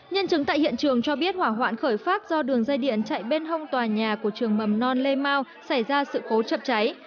nhân chứng tại hiện trường cho biết hỏa hoạn khởi phát do đường dây điện chạy bên hông tòa nhà của trường mầm non lê mau xảy ra sự cố chập cháy